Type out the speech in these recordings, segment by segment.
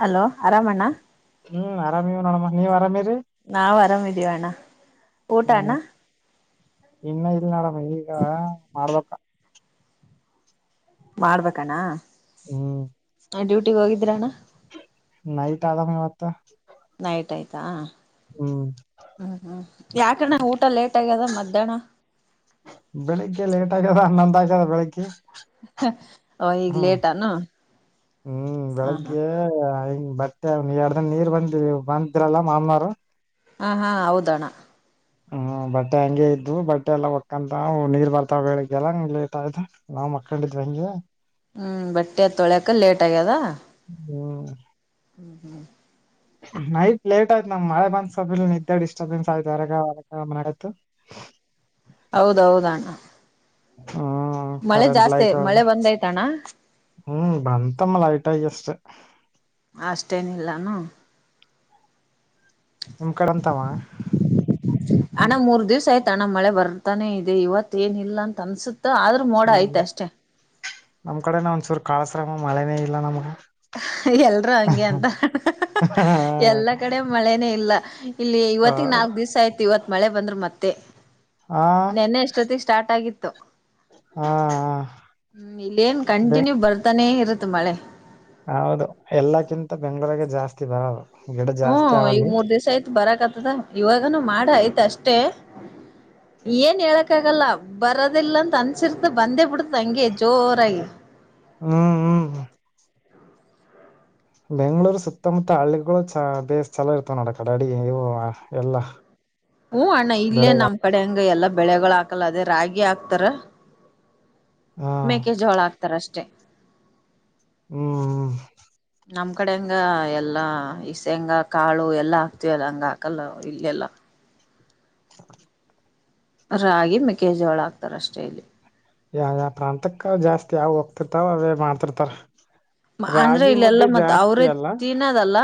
Hello ಆರಾಮ ಅಣ್ಣ ಹ್ಮ್ ಆರಾಮೀವ ನಡಮ್ಮ ನೀವ್ ಆರಾಮರಿ ನಾವ್ ಅರಾಮಿದೀವಿ ಅಣ್ಣ ಊಟ ಅಣ್ಣ ಹ್ಮ್ ಇನ್ನ ಇಲ್ಲಿ ನಡಮ ಈಗ ಮರದೊಕ್ಕ ಮಾಡ್ಬೇಕಣ್ಣ ಹ್ಮ ನಾ ಡ್ಯೂಟಿಗೆ ಹೋಗಿದ್ದೀರಣ್ಣ ನೈಟ ಆದಲ ಮೇ ಅತ್ತ ನೈಟ್ ಆಯ್ತಾ ಹ್ಮ್ ಹ್ಮ್ ಯಾಕ ಅಣ್ಣ ಊಟ ಲೇಟ್ ಟ್ಟ ಕದ ಮದ್ಯಾಹ್ನ ನೊಂದ ಆ್ದ ಬೆಳಿಗ್ಗೆ ಈಗ ಹ್ಮ್ ಲೇಟಾನ ಹ್ಮ್ ಹಾ ಹಾ ಬೆಳಿಗ್ಗೆ ಐ ಬಟ್ಟೆ ಎರದನ್ ನೀರ್ ಬಂದ ಬಂದ್ರಲ್ಲ ಮಾಮನಾರ ಹಾ ಹಾ ಹೌದ ಅಣ್ಣ ಹ ಬಟ್ಟೆ ಹಂಗೆ ಇದ್ವು ಬಟ್ಟೆ ಎಲ್ಲಾ ಒಕ್ಕಂತ ನೀರ್ ಬರ್ತಾವ ಬೆಳಿಗ್ಗೆ ಎಲ್ಲಂಗ ಲೇಟ್ ಆಯ್ತ ನಾವ್ ಮಕ್ಕಡಿದೀವಿ ಹಂಗೆ ಹ್ಮ್ ಬಟ್ಟೆ ತೊಳ್ಯಕ ಲೇಟ್ ಆಗ್ಯದ ಹ್ಮ [inaudible] ನೈಟ್ ಲೇಟ್ ಆಯ್ತು ನಮ್ ಮಳೆ ಬಂದಸ್ರ ನಿದ್ದೆ ಡಿಸ್ಟರ್ಬೆನ್ಸ್ ಆಯ್ತು ಹೊರಗ ಹೊರಗ ಮತು ಹೌದೌಹೌದ ಅಣ್ಣ ಹ್ಮ್ ಮಳೆ ಕರೆಂಟ್ ಜಾಸ್ತಿ ಲೈಟ್ ಮಳೆ ಬಂದಯ್ತಣ್ಣ ಹ್ಮ್ ಬಂತಮ್ಮ ಲೈಟಾಗಿ ಅಷ್ಟೆ ಅಷ್ಟೇನಿಲ್ಲಾನು ನಿಮ್ ಕಡೆ ಅಂತಾವ ಅಣ್ಣ ಮೂರ್ ದಿವ್ಸ ಆಯ್ತು ಅಣ್ಣ ಮಳೆ ಬರ್ತಾನೆ ಇದೆ ಇವತ್ ಏನ ಇಲ್ಲ ಅಂತ ಅನ್ಸುತ್ತೆ. ಆದ್ರೂ ಮೋಡ ಈ ಆಯ್ತ ಅಷ್ಟೇ ನಮ್ ಕಡೆನ ಒಂದ್ಸೂರು ಕಾಳಸ್ರಾಮ ಮಳೆನೇ ಇಲ್ಲ ನಮ್ಗ ಎಲ್ರು ಹಂಗೆ ಅಂತರ ಎಲ್ಲಾ ಕಡೆ ಮಳೆನೇ ಇಲ್ಲ ಇಲ್ಲಿ ಇವತ್ತ ನಾಲ್ಕ್ ದಿವಸ್ ಆಯ್ತು ಇವತ್ ಮಳೆ ಬಂದ್ರ ಮತ್ತೆ ಆ ನೆನ್ನೆ ಅಷ್ಟೊತ್ತಿಗೆ ಸ್ಟಾರ್ಟ್ ಆಗಿತ್ತು. ಹಾ ಹಾ ಹ್ಮ್ ಇಲ್ಲೇನ್ ಕಂಟಿನ್ಯೂ ಬರ್ತಾನೆ ಇರುತ್ತೆ ಮಳೆ. ಹೌದು ಎಲ್ಲಕ್ಕಿಂತ ಬೆಂಗಳೂರುಗ ಜಾಸ್ತಿ ಬರೋದು ಗಿಡ ಜಾಸ್ತಿ ಹ್ಮ್ ಈಗ ಅವಲ್ಲಿ ಮೂರ್ ದಿವ್ಸ್ ಆಯ್ತು ಬರಕ್ ಆತದ ಇವಾಗನ ಮಾಡ ಆಯ್ತ ಅಷ್ಟ್ ಅಷ್ಟ ಏನ್ ಹೇಳಕ್ಕಗಲ್ಲ ಬರದಿಲ್ಲ ಅಂತ ಅನ್ಸಿರ್ತ ಬಂದೇ ಬಿಡ್ ಹಂಗೆ ಜೋರಾಗಿ ಹ್ಮ್ ಹ್ಮ್ ಬೆಂಗಳೂರ್ ಸುತ್ತಮುತ್ತ ಹಳ್ಳಿಗಳು ಚ ಬೇ ಚಲ ಇರ್ತವ ನೋಡ ಕಡ ಅಡಿ ಇವು ಎಲ್ಲ ಹೂ ಅಣ್ಣ ಇಲ್ಲೇ ನಮ್ ಕಡೆ ಹಂಗ ಎಲ್ಲಾ ಬೆಳೆಗಳು ಹಾಕಲ್ಲ ಅದೇ ರಾಗಿ ಹಾಕ್ತಾರ. ಹ ಮೇಕೆಜೋಳ ಹಾಕ್ತಾರ ಅಷ್ಟೇ ಹ್ಮ್ ಹ್ಮ್ ನಮ್ ಕಡೆ ಹಂಗ ಎಲ್ಲಾ ಶೇಂಗಾ ಕಾಳು ಎಲ್ಲಾ ಹಾಕ್ತಿವಲ್ಲ ಹಂಗ ಹಾಕಲ್ಲ ಇಲ್ಲೆಲ್ಲ [unintelligible] ರಾಗಿ ಮಕೆೇಜೋಳ ಹಾಕ್ತಾರ ಅಷ್ಟೇ ಇಲ್ಲಿ ಯ ಯಾವ ಪ್ರಾಂತಕ್ಕ ಜಾಸ್ತಿ ಯಾವ ಹೋಗ್ತಿರ್ತಾವ ಅವೇ ಮಾಡ್ತಿರ್ತಾರ ಅಂದ್ರೆ ರಾಗಿ ಇಲ್ಲೆಲ್ಲಾ ಮುದ್ದೆ ಮತ್ ಜಾಸ್ತಿ ಅವ್ರೇ ಅಲ್ಲ ತಿನ್ನದಲ್ಲ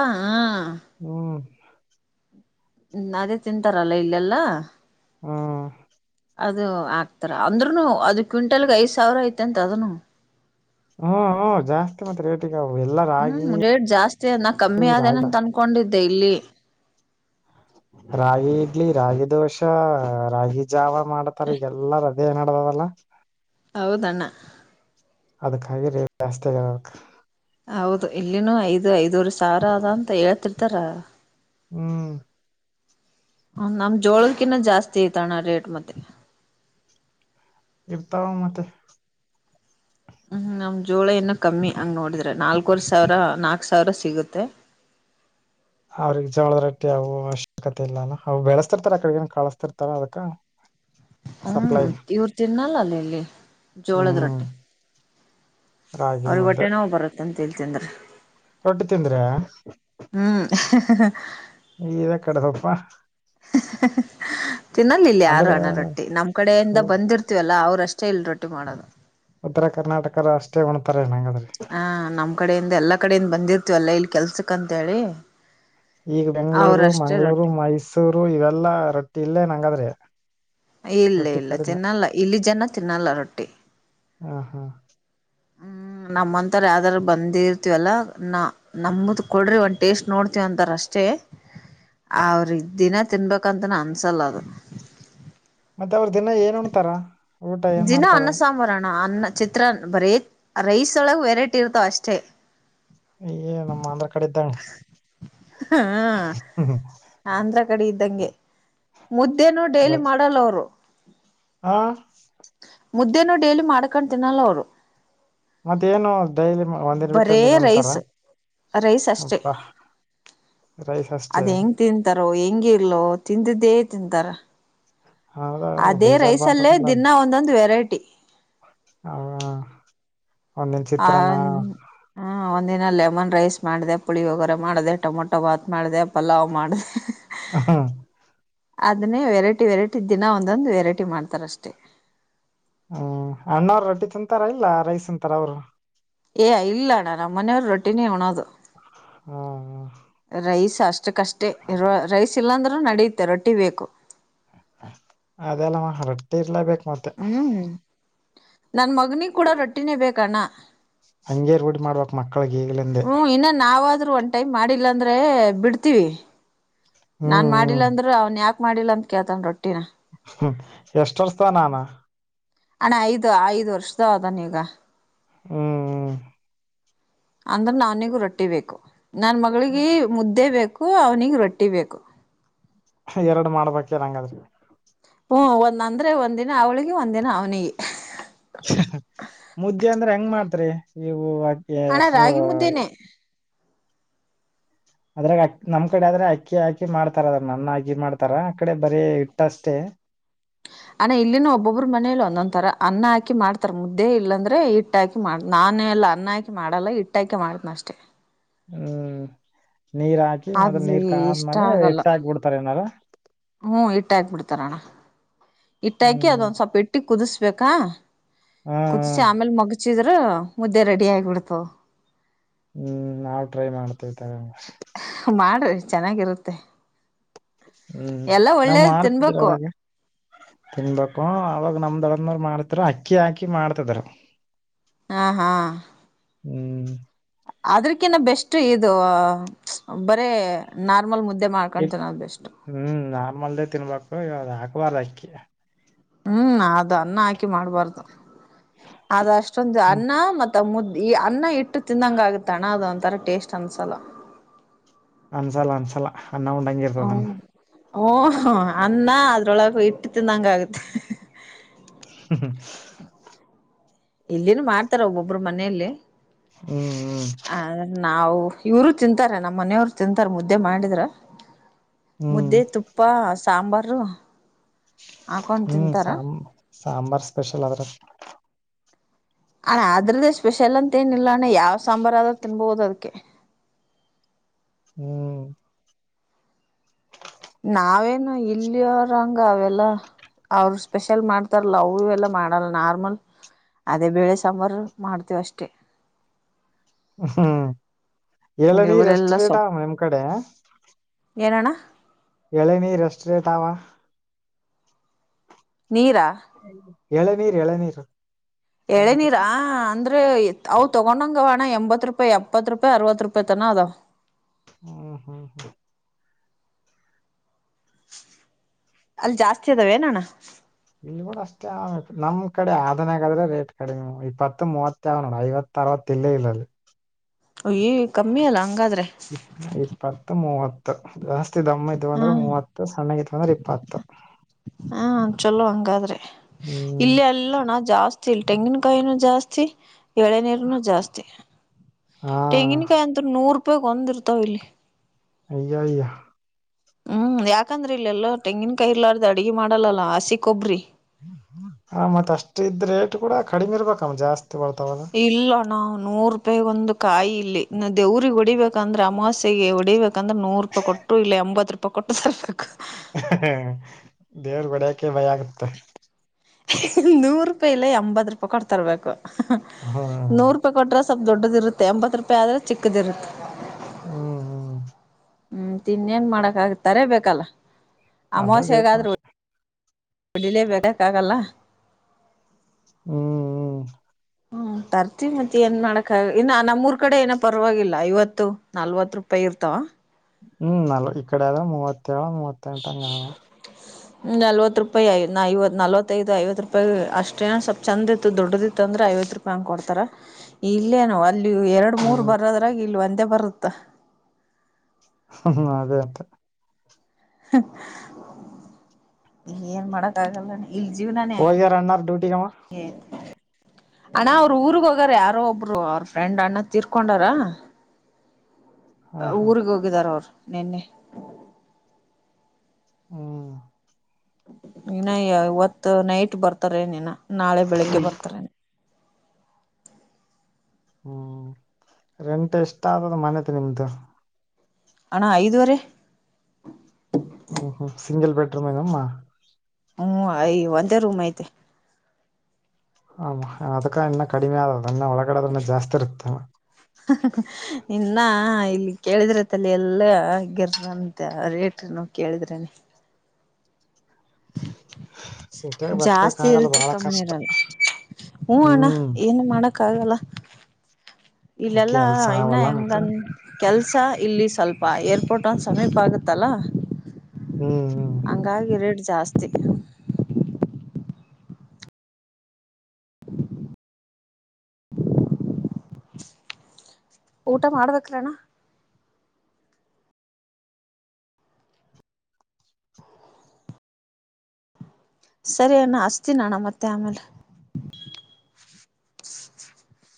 ಹ್ಮ್ ಹ್ಮ್ ಅದೇ ತಿಂತಾರಲ್ಲ ಇಲ್ಲೆಲ್ಲಾ ಹ್ಮ. ಅದು ಆಕ್ತಾರ ಅಂದ್ನು ಅದ ಕ್ವಿಂಟಲ್ಗೆ ಐದ ಸಾವಿರ ಐತೆಂತ ಅದನು. ಹ್ಮ ಜಾಸ್ತಿ ಮತ್. ಅವು ಎಲ್ಲಾ ರಾಗಿ ಹ್ಮ್ ರೇಟ್ ಜಾಸ್ತಿ ಅ ನಾ ಕಮ್ಮಿ ರಾಗಿ ಆದೇನಂತ ಅನ್ಕೊಂಡಿದ್ದೆ ಇಲ್ಲಿ ರಾಗಿ ಇಡ್ಲಿ ರಾಗಿ ದೋಷ ರಾಗಿ ಜಾವ ಮಾಡ್ತಾರ ಈಗೆಲ್ಲಾರ ಅದ ನಡ್ದ. ಬಲ ಹೌದಣ್ಣ. ಅದಕ್ಕಾಗಿ ರೇಟ್ ಜಾಸ್ತಿ ಆಗರಬೇಕಕ್ [inaudible] ಹೌದು ಇಲ್ಲಿನೂ ಐದು ಐದೂರು ಸಾವಿ ಅದ ಅಂತ ಹೇಳ್ತಿರ್ತಾರ. ಹ್ಮ್ ಹ ನಮ ಜೋಳಕಿನ್ನ ಜಾಸ್ತಿ ಐತ ಅಣ್ಣ ರೇಟ್ ಮತ್ತೆ. ಇರ್ತಾವ ಮತ್ತೆ ಹ್ಮ್ ನಮ್ ಜೋಳ ಇನ್ನು ಕಮ್ಮಿ ಹಂಗ್ ನೋಡಿದ್ರೆ ನಾಲ್ಕೂವರ್ ಸಾವಿರ ನಾಕ್ ಸಾವಿರ ಸಿಗುತ್ತೆ [unintelligible] ಅವ್ರಿಗೆ ಜವಳದ ರೊಟ್ಟಿ ಅವುವ ಅವಶ್ಯಕತೆ ಇಲ್ಲಾನ ಅವವು ಬೆಳೆಸ್ತಿರ್ತಾರ ಕಡೆಗನ್ ಕಳಸ್ತಿರ್ತಾರ ಅದಕ್ಕ [unintelligible] ಸಪ್ಲೈ ಹ್ಮ್ ಇವರು ತಿನ್ನಲ್ಲ ಅಲ್ಲಿ ಇಲ್ಲಿ ಜೋಳದ ಹ್ಮ್ ರೊಟ್ಟಿ ರಾಗಿ ಅವ್ರಿಗೆ ಹೊಟ್ಟೆ ನೋವು ಬರತ್ತ ಅಂತ ಹೇಳ್ತನ. ರೊಟ್ಟು ತಿಂದ್ರ ಹ್ಮ್ ಈ ಕಡದಪ್ಪ. ತಿನ್ನಲಿಲ್ಲ ಯಾರು ಹಣ ರೊಟ್ಟಿ ನಮ್ ಕಡೆಯಿಂದ ಉ- ಬಂದಿರ್ತೀವಲ್ಲ ಅವ್ರುಷ್ಟೇ ಇಲ್ ರೊಟ್ಟಿ ಮಾಡೋದು. ಉತ್ತರ ಕರ್ನಾಟಕರು ಅಷ್ಟೇ ಉಣ್ತಾರೆ ನಂಗ್ರ. ಹಾ ನಮ್ ಕಡೆಯಿಂದ ಎಲ್ಲಾ ಕಡೆಯಿಂದ ಬಂದಿರ್ತವ ಎಲ್ಲಾ ಇಲ್ಲಿ ಕೆಲ್ಸಕ್ಂತ ಹೇಳಿ. ಈಗ ಬೆಂಗ್ಗಳೂರು ಮಂಗ್ಗಳೂರು ಮೈಸೂರು ಇವೆಲ್ಲಾ ರೊಟ್ಟಿ ಇಲ್ಲೇ ನಂಗಾದ್ರಿ ಇಲ್ಲ ಇಲ್ಲ ತಿನ್ನಲ್ಲ ಇಲ್ಲಿ ಜನ ತಿನ್ನಲ್ಲ ರೊಟ್ಟಿ. ಹಾ ಹಾ [unintelligible] ನಮ್ಮಂತಾರ ಯಾವ್ದಾರ ಬಂದಿರ್ತಿವಲ್ಲಾ ನಾ ನಮ್ಮದ ಕೊಡ್ರಿ ಒಂದ್ ಟೇಸ್ಟ್ ನೋಡ್ತಿವ ಅಂತಾರ ಅಷ್ಟೇ. ಅವ್ರ ದಿನ ತಿನ್ಬೇಕಂತ ನ ಅನ್ಸಲ್ಲ ಅದು. ಮತ್ತೆ ಅವ್ರ ದಿನ ಏನ್ ಉಣತಾರ! ವ. ದಿನ ಅನ್ನಸಾಮರಾಣ ಅನ್ನ ಚಿತ್ರಾನ್ ಬರೀ ರೈಸ್ ಒಳಗೆ ವೆರೈಟಿ ಇರ್ತಾವ ಅಷ್ಟೇ. ಅಯ್ಯ ನಮ್ಮ ಆಂದ್ರ ಕಡೆ ಇದ್ದಂಗ. ಹಾ ಆಂಧ್ರ ಕಡೆ ಇದ್ದಂಗೆ ಮುದ್ದೇನ ಡೈಲಿ ಬಸ್ ಮಾಡಲ್ಲ ಅವರು. ಹಾ. ಮುದ್ದೇನು ಡೈಲಿ ಮಾಡ್ಕೊಂಡ್ ತಿನ್ನಲ್ಲ ಅವರು ಮತ್ತೇಏನು ಡೈಲಿ ಒಂದಿನ ಬಿಟ್ಟು ಬರೇ ಒಂದಿನಂತಾರ ರೈಸ್ ರೈಸ್ ಅಷ್ಟೇ ಅಪ್ಪ ರೈಸ್ ಅಷ್ಟಷ್ಟ ಹೆಂಗ ಇಲೋ ತಿಂದಿದ್ದೇ ತಿಂತಾರ. ಹೌದ ಅದೇ ಒಡೇ. ರೈಸಲ್ಲೇ ದಿನ [unintelligible] ಒಂದೊಂದು ವೆರೈಟಿ, ಹ. ಆ ಹ ಒಂದಿನಲ್ಲೇ. ಸಮ್ಮನ್ ರೈಸ್ ಮಾಡಿದೆ ಪುಳಿ ವಗರ ಮಾಡಿದೆ ಟೊಮೊಟೊ ಭಾತ್ ಮಾಡಿದೆ ಪಲಾವ್ ಮಾಡಿದೆ. ಹ. ಅದನ್ನೇ ವೆರೈಟಿ ವೆರೈಟಿ ದಿನ ಒಂದೊಂದು ವೆರೈಟಿ ಮಾಡ್ತಾರಷ್ಟೇ. ಹ್ಮ್ ಅಣ್ಣವ್ರ ರೊಟ್ಟಿ ತಿಂತಾರ ಇಲ್ಲ ರೈಸ್ ತಿಂತಾರ ಅವರು. ಏ ಇಲ್ಲ ಅಣ್ಣ ನಮ್ಮ ಮನೆಯವ್ರು ರೊಟ್ಟಿನೇ ಉಣೋದು. ಹ್ಮ ಹ್ಮ ರೈಸ್ ಅಷ್ಟ ಕಷ್ಟೇ ರೈಸ್ ಇಲ್ಲಾಂದ್ರೂ ನಡೆಯುತ್ತೆ ರೊಟ್ಟಿ ಬೇಕು. ಅದೆಲ್ಲ ರೊಟ್ಟಿ ಇರ್ಲೇಬೇಕು ಮತ್ತೆ. ಹ್ಮ್ ನನ್ ಮಗನಿಗೆ ಕೂಡ ರೊಟ್ಟಿನೇ ಬೇಕಣ್ಣ ಹಂಗೇ ರೂಡಿ ಮಾಡ್ಬಕ್ ಮಕ್ಳಗ್ ಈಗ್ಲೆಂದೆ ಒ ಟೈಮ್ ಮಾಡಿಲ್ಲ ಅಂದ್ರೆ ಬಿಡ್ತೀವಿ ನಾನ್ ಹ್ಮ್ ಮಾಡಿಲ್ಲ ಅಂದ್ರೆ ಅವ ಯಾಕ ಮಾಡಿಲ್ಲ ಅಂತ ಕೇಳ್ತಾನ ರೊಟ್ಟಿನ ಹ್ಮ ಎಷ್ಟ ವರ್ಸತ ನಾನ ಅಣ್ಣ ಐದ್ ಐದ್ ವರ್ಷದ ಅದಾನೀಗ ಹ್ಮ್ ಹ್ಮ್ ಅಂದ್ರ ನಾನಿಗೂ ರೊಟ್ಟಿ ಬೇಕು ನನ್ ಮಗಳಿಗೆ ಮುದ್ದೆ ಬೇಕು. ಹೂ ಅವ್ನಿಗೆ ರೊಟ್ಟಿ ಬೇಕು. ಎರಡು ಮಾಡ್ಬೇಕೆನ್ ಹಂಗದ್ರಿ. ಹ್ಮ ಒಂದ್ ಅಂದ್ರೆ ಒಂದ್ ದಿನ ಅವ್ಳಿಗೆ ಒಂದ ದಿನ ಅವ್ನಿಗೆ. ಮುದ್ದೆ ಅಂದ್ರೆ ಹೆಂಗ ಮಾಡ್ತ್ರಿ ನೀವು ಇವುೆ ಅಣ್ಣ ಹೆಸರು ರಾಗಿ ಮುದ್ದೇನೆ ಅದ್ರಾಗ ಅ ನಮ್ ಕಡೆ ಆದ್ರೆ ಅಕ್ಕಿ ಹಾಕಿ ಮಾಡ್ತಾರ ಅದ್ರ ನನ್ನ ಅಕಿ ಮಾಡ್ತಾರ ಆ ಕಡೆ ಬರೀ ಹಿಟ್ಟಷ್ಟೇ. ಹ [inaudible] ಅಣ ಇಲ್ಲಿನ ಒಬ್ಬೊಬ್ಬರು ಮನೇಲಿ ಒಂದೊಂದ್ ತರ ಅನ್ನ ಹಾಕಿ ಮಾಡ್ತಾರ ಮುದ್ದೆ ಇಲ್ಲಾಂದ್ರೆ ಹಿಟ್ಟ ಹಾಕಿ ಮಾಡ ನಾ ನಾನು ಎಲ್ಲ ಅನ್ನಾಕಿ ಮಾಡಲ್ಲ ಇಟ್ಟಾಕೆ ಮಾಡತನ ಅಷ್ಟೆ. ಹ್ಮ್ ನೀರ್ ಹಾಕಿ ಮತ್ತ ಆದ್ರೆ ನೀರ್ ಇಷ್ಟ ಕಾದ್ಮೇಲೆ ಆಗಲ್ಲ ಹಿಟ್ ಹಾಕ್ಬಿಡ್ತಾರ ಏನಾರ ಇಟ್ಟ ಹಾಕ್ಬಿಡ್ತಾರಣ್ಣ ಇಟ್ಟ ಹಾಕಿ ಹ್ಮ್ ಅದೊಂದ್ ಸ್ವಲ್ಪ ಇಟ್ಟಿ ಕುದಿಸಬೇಕಾ. ಹಾ ಹಾ ಕುದಿಸಿ ಆಮೇಲ್ ಮಗಚಿದ್ರ ಮುದ್ದೆ ರೆಡಿ ಆಗ್ಬಿಡ್ತು. ಹ್ಮ್ ನಾವ್ ಟ್ರೈ ಮಾಡ್ತೇತಾರೆ. ಮಾಡ್ರಿ ಚೆನ್ನಾಗಿರುತ್ತೆ ಹ್ಮ್ ಎಲ್ಲಾ ನಾ ಒಳ್ಳೇದ್ ಮಾಡ್ತಿದ್ರ ತಿನ್ಬೇಕು ಅವಾಗ ತಿನ್ಬೇಕು ಅವಾಗ ನಮ್ದ ರು ಮಾಡ್ತಾರ ಅಕ್ಕಿ ಹಾಕಿ ಮಾಡ್ತಿದರು. ಹಾ ಹಾ ಹ್ಮ್ ಅದ್ರಕಿನ್ನ ಬೆಸ್ಟ್ ಇದು ಬರೇ ನಾರ್ಮಲ್ ಮುದ್ದೆ ಇ ಮಾಡ್ಕೊಂಡ್ ತಿನ್ನೋದು ಬೆಸ್ಟ್ ಹ್ಮ್ ನಾಮಲ್ದೇ ತಿನ್ಬೇಕು ಇವ ಹಾಕ್ಬಾರ ಅಕ್ಕಿ. ಹ್ಮ್ ಅದು ಅನ್ನ ಹಾಕಿ ಮಾಡ್ಬಾರ್ದು ಅದ ಅಷ್ಟೊಂದು ಹ್ಮ್ ಅನ್ನ ಮ ಮುದ್ದ್ ಈ ಅನ್ನ ಇಟ್ಟು ತಿಂದಂಗ ಆಗತ್ತಣ್ಣ ಅದ ಒಂಥರ ಟೇಸ್ಟ್ ಅನ್ಸಲ. ಅನ್ಸಲ್ಲ ಅನ್ಸಲ್ಲ ಅನ್ನ ಉಂಡಂಗಿರ್ತದ್ಣ ಓ ಅನ್ನ ಅದ್ರೊಳಗ ಇಟ್ಟತಂದಂಗ ಆಗತ್ತೆ ಹ್ಮ ಇಲ್ಲಿನ್ ಮಾಡ್ತಾರ ಒಬ್ಬೊಬ್ಬರು ಮನೆಯಲ್ಲಿ ಹ್ಮ್ ಆ ನಾವು ಇವರು ತಿಂತಾರೆ ನಮ್ಮ ಮನೆಯವ್ರು ತಿಂತಾರ ಮುದ್ದೆ ಮಾಡಿದ್ರ ಹ್ಮ್ ಮುದ್ದೆ ತುಪ್ಪ ಸಾಂಬಾರು ಹಾಕೊಂಡ್ ಹ್ಮ್ ತಿಂತಾರ ಸಾಂಬ ಸಾಂಬಾರ್ ಸ್ಪೆಷಲ್ ಆದ್ರ ಅಣ ಅದ್ರದ್ದೇ ಸ್ಪೆಷಲ್ ಅಂತ ತ್ತೇನಿಲ್ಲ ಅಣ್ಣ ಯಾವ್ ಸಾಂಬಾರ್ ಆದ್ರರು ತಿನ್ಬಹುದು ಅದಕ್ಕೆ ಹ್ಮ್ ನಾವೇನು ಇಲ್ಲಿ ಅವರಂಗ ಅವೆಲ್ಲ ಅವರ ಸ್ಪೆಷಲ್ ಮಾಡ್ತಾರಲ್ಲ ಅವೆಲ್ಲ ಮಾಡಲ್ಲ ನಾರ್ಮಲ್ ಅದೇ ಬೇಳೆ ಸಾಂಬಾರು ಮಾಡ್ತೇವಿ ಅಷ್ಟೇ ಹು ಹೂ ಎಳನೀರ ಎಷ್ಟ ಇವರೆಲ್ಲ ರೇಟ ಅಮ್ಮ ನಿಮ್ಮ ಕಡೆ ಏನ ಅಣ್ಣ ಎಳನೀರ ಎಷ್ಟ ರೇಟ ಆಮ ನೀರಾ ಎಳನೀರ ಎಳನೀರ ಎಳೆನೀರಾ ಅಂದ್ರೆ ಅವ ತಗೊಂಡಂಗ ಅವ ಎಂಬತ್ತ ರೂಪಾಯಿ ಎಪ್ಪತ್ತು ರೂಪಾಯಿ ಅರವತ್ತು ರೂಪಾಯಿ ತಾನ ಅದ ಹು ಹು ಹು ಅಲ್ಲಿ ಜಾಸ್ತಿ ಅದಾವ ಏನಅಣ್ಣ ಇಲ್ಲಿ ಕೂಡ ಅಷ್ಟೇ ನಮ್ ಕಡೆ ಆದನ್ಗಾದ್ರ ರೇಟ್ ಕಡಿಮೆ ಇಪ್ಪತ್ತು ಮೂವತ್ತ ಯಾವ ನೋಡ ಐವತ್ತು ಅರವತ್ತ ಇಲ್ಲೇ ಇಲ್ಲಲ್ಲಿ ಅಯ್ಯೋಯ ಕಮ್ಮಿ ಅಲ್ಲ ಹಂಗಾದ್ರೆ ಇಪ್ಪತ್ತು ಮೂವತ್ತು ಅಷ್ಟ ಅತಿ ದಮ್ಮ ಇದಂದ್ರ ಹಾ ಮೂವತ್ತ ಸಣ್ಣಗ ಇದಂದ್ರ ಇಪ್ಪತ್ತು ಹಾ ಚಲೋ ಹಂಗಾದ್ರೆ ಹ್ಮ್ ಇಲ್ಲಿ ಇಲ್ಲಣ ಜಾಸ್ತಿ ಇಲ್ ತೆಂಗಿನಕಾಯಿನೂ ಜಾಸ್ತಿ ಎಳೆನೀರು ನು ಜಾಸ್ತಿ ಹಾ ತೆಂಗಿನಕಾಯಿ ಅಂತು ನೂರು ಇಪ್ಪತ್ತ ರೂಪಾಯಿ ಗೆ ಒಂದ ಇರತಾವ ಇಲ್ಲಿ ಅಯ್ಯಯ್ಯ ಹು ಯಾಕಂದ್ರ ಇಲ್ಲ ಎಲ್ಲ ತೆಂಗಿನ ಕಾಯಿ ಇಲಾರ್ದ ಅಡುಗೆ ಮಾಡಲ್ಲಾ ಹಸಿಕೊಬ್ರಿ ಹಾ ಮತ್ತ ಅಷ್ಟ ಇದ್ರೇಟ್ ಕೂಡ ಕಡಿಮೆ ಇರ್ಬೇಕಮ್ಮ ಜಾಸ್ತಿ ಬರ್ತಾವಲ್ಲ -ಇಲ್ಲ ಅಣ್ಣ ನೂರು ರೂಪಾಯಿಗ ಒಂದು ಕಾಯಿ ಇಲ್ಲಿ ಇನ್ನ ದೇವ್ರಿಗೆ ಹೊಡಿಬೇಕ ಅಂದ್ರ ಅಮಾಸೆಗೆ ಹೊಡಿಬೇಕಂದ್ರ ನೂರು ರೂಪಾಯಿ ಕೊಟ್ಟು ಇಲ್ಲ ಎಂಬತ್ತ ರೂಪಾಯಿ ಕೊಟ್ಟು ತರ್ಬೇಕು [unintelligible] ದೇವರ ಗೆ ಹೊಡಿಯೋಕೆ ಭಯ ಆಗುತ್ತೆ [unintelligible] ನೂರು ರೂಪಾಯಿಲ್ಲ ಎಂಬತ್ತರೂಪಾಯಿ ಕೊಟ್ಟ ತರಬೇಕು ಹ್ಮ್ ನೂರು ರೂಪಾಯಿ ಕೊಟ್ರ ಸ್ವಲ್ಪ ದೊಡ್ಡದ ಇರುತ್ತೆ ಎಂಬತ್ತ ರೂಪಾಯಿ ಆದ್ರೆ ಚಿಕ್ಕದ ಇರುತ್ತೆ ಹು ಹು ಹು ಇನ್ನೇನ್ ಮಾಡಕ್ ಆಗತ ತರಬೇಕಲ್ಲ ತರ್ಲೆಬೇಕು ಮತ್ತ ಉಡಿಲೇ ಬರಕ್ಕಾಗಲ್ಲ ಹು ಹು ತರ್ತಿನಿ ಮತ್ತ ಏನ್ ಮಾಡಕ ಆಗಲ್ಲ ಇನ್ನು ನಮ್ಮೂರ್ ಕಡೆ ಏನೋ ಪರವಾಗಿಲ್ಲ ಐವತ್ತು ನಲ್ವತ್ತು ರೂಪಾಯಿ ಇರ್ತಾವ ಹು ನಲ್ ಇಕ್ಕಡೆ ಎಲ್ಲಾ ಮೂವತ್ತೇಳು ಮೂವತ್ತೆಂಟ ಅವ ನಲವತ್ತ ರೂಪಾಯಿ ಐ ಐವತ್ತು ನಲ್ವತ್ತೈಐದು ಐವತ್ತು ರೂಪಾಯಿ ಅಷ್ಟೇನು ಸ್ವಲ್ಪ ಚಂದ ಇತ್ತು ದೊಡ್ಡದಿತ್ತು ಅಂದ್ರ ಐವತ್ತ ಐವತ್ತ ರೂಪಾಯಿ ಅಂಗ ಕೊಡ್ತಾರ ಇಲ್ಲೇನೋ ಇಲ್ಲಿ ಎರಡು ಮೂರು ಹ್ಮ್ ಬರದ್ರಾಗ ಇಲ್ಲಿ ಒಂದೇ ಬರುತ್ತ ಹು ಹು ಅದೇ ಅಂತೆ [unintelligible] ಏನ್ ಮಾಡಕ ಆಗಲ್ಲ ಅಣ್ಣ ಇಲ್ಲಿ ಜೀವನೇ ಹಂಗ ಹೋಗ್ಯಾರ ಅಣ್ಣಾರ್ ಡ್ಯೂಟಿಗಮ್ಮ ಗೆ ಅಣ್ಣ ಅವರ ಊರಿಗೆ ಹೋಗಿವರೆ ಯಾರೋ ಒಬ್ರು ಅವ್ರ ಫ್ರೆಂಡ್ ಅಣ್ಣ ತೀರ್ಕೊಂಡಾರ ಹಾ ಹಾ ಊರಗ ಹೋಗಿದಾರ ಅವರು ನಿನ್ನೆ ಹು ಇನ್ನ ಇವತ್ತು ನೈಟ್ ಬರ್ತಾರೆ ಏನು ನಾಳೆ ಬೆಳಿಗ್ಗೆ ಬರ್ತಾರನ ಹು ರೆಂಟ ಇಷ್ಟ ಆಗೂದು ಮನೆದು ನಿಮ್ದು - ಅಣ್ಣ ಐದುವರೆ ಹು ಹು ಸಿಂಗಿಲ್ ಬೆಡ್ ರೂಮ್ ಏನಮ್ಮ ಹು ಐ ಒಂದೇ ರೂಮ್ ಐತೆ ಹಾ ಅಮ್ಮ ಅದಕ್ಕ ಇನ್ನ ಕಡಿಮೆ ಅದ [unintelligible] ಇನ್ನ ಇ ಕೇಳಿದ್ರೆ ತಲೆ ಎಲ್ಲ ಆಗಿರ ಅಂತೆ ರೇಟ್ರನು ಕೇಳಿದ್ರೇನ ಸಿಟಿಯಾಗ ಬತ್ಕಕ್ ಜಾಸ್ತಿ ಆಗಲ್ಲ ಇರುತ್ತೆ ಬಹಳ ಕಮ್ಮಿ ಕಷ್ಟ ಇರಲ್ಲ ಹೂಞ ಅಣ್ಣ ಹ್ಮ್ ಏನ್ ಮಾಡಕ್ ಕ್ಕಗಲ್ಲ ಇಲ್ಲೆಲ್ಲಾ ಕೆಲ್ಸ ಇನ್ನ ಅವಲ್ಲ ಮತ್ತೆ ಹೆಂಗನ್ ಕೆಲಸ ಇಲ್ಲಿ ಸ್ವಲ್ಪ ಏರ್ಪೋರ್ಟ್ಂದು ಸಮೀಪ ಆಗುತ್ತಲ್ಲ ಹ್ಮ್ ಹ್ಮ್ ಹಂಗಾಗಿ ರೇಟ್ ಜಾಸ್ತಿ ಊಟ ಮಾಡಬೇಕ ರೀ ಅಣ್ಣ? [unintelligible] ಸರಿ ಅಣ್ಣ ಹಸ್ತೀನಿ ಅಣ್ಣ ಮತ್ತೆ ಆಮೇಲೆ. [unintelligible]